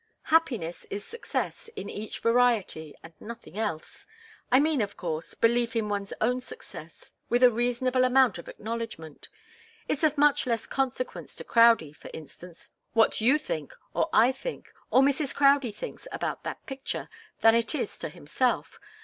Happiness is success, in each variety, and nothing else. I mean, of course, belief in one's own success, with a reasonable amount of acknowledgment. It's of much less consequence to Crowdie, for instance, what you think, or I think, or Mrs. Crowdie thinks about that picture, than it is to himself.